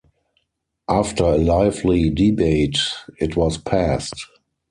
After a lively debate, it was passed.